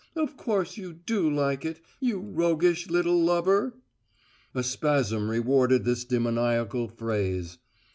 Of course you do like it you roguish little lover!" A spasm rewarded this demoniacal phrase.